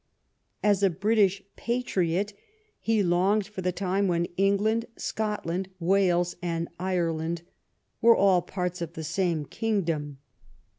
As a British patriot he longed for the time when Eng land, Scotland, Wales, and Ireland were all parts of the same kingdom.